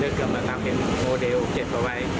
เนื่องจากไปอยากเห็นโมเดลเก็บไว้